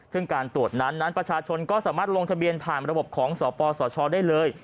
ซึ่งการตรวจนั้นนั้นประชาชนก็สามารถลงทะเบียนผ่านระบบของสปสชได้เลย